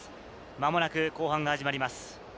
まもなく後半が始まります。